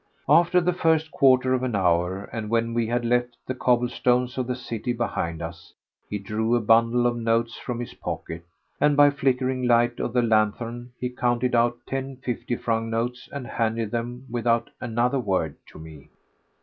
After the first quarter of an hour, and when we had left the cobblestones of the city behind us, he drew a bundle of notes from his pocket, and by the flickering light of the lanthorn he counted out ten fifty franc notes and handed them without another word to me.